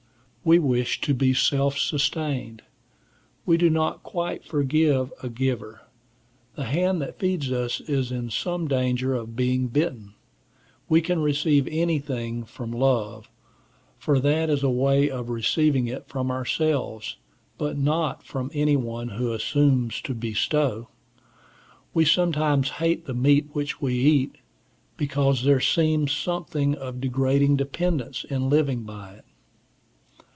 We wish to be self sustained. We do not quite forgive a giver. The hand that feeds us is in some danger of being bitten. We can receive anything from love, for that is a way of receiving it from ourselves; but not from anyone who assumes to bestow. We sometimes hate the meat which we eat, because there seems something of degrading dependence in living by it.